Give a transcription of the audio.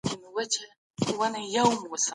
ما د خپل مونوګراف عنوان وټاکه.